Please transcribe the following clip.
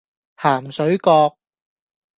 鹹水角